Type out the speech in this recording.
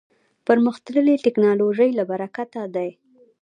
پرمختللې ټکنالوژۍ له برکته دی.